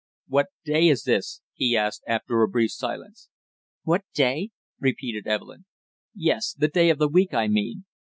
"What day is this?" he asked after a brief silence. "What day?" repeated Evelyn. "Yes the day of the week, I mean?"